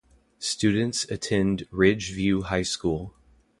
Students attend Ridge View High School.